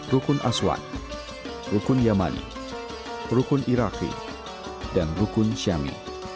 rukun aswad rukun yaman rukun iraki dan rukun syami